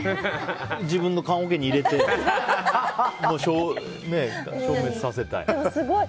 自分の棺桶に入れて消滅させたい。